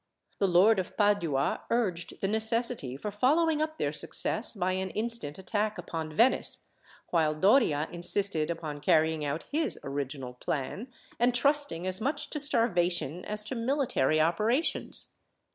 The Lord of Padua urged the necessity for following up their success by an instant attack upon Venice, while Doria insisted upon carrying out his original plan, and trusting as much to starvation as to military operations.